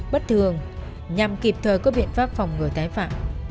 bất thường nhằm kịp thời có biện pháp phòng ngừa tái phạm